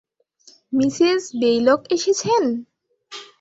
Mrs Baylock এসেছেন?